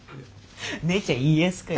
姉ちゃん家康かよ。